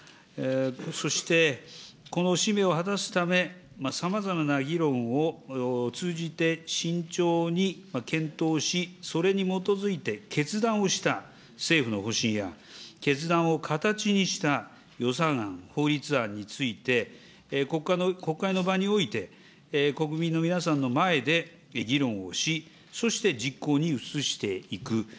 そして、この使命を果たすため、さまざまな議論を通じて、慎重に検討し、それに基づいて決断をした政府の方針や、決断を形にした予算案、法律案について、国会の場において、国民の皆さんの前で議論をし、そして実行に移していく。